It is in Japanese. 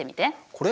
これ？